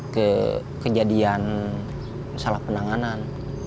ada kejadian salah penanganan